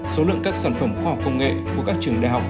số lượng các sản phẩm khoa học công nghệ của các trường đại học